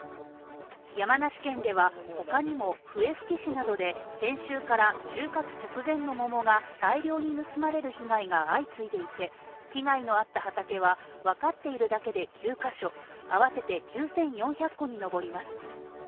山梨県では他にも、笛吹市などで先週から収穫直前の桃が大量に盗まれる被害が相次いでいて、被害のあった畑はわかっているだけで９ヶ所、合わせて９４００個に上ります。